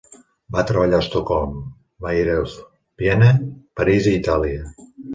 Va treballar a Estocolm, Bayreuth, Viena, París i Itàlia.